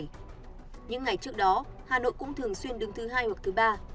những ngày trước đó hà nội cũng thường xuyên đứng thứ hai hoặc thứ ba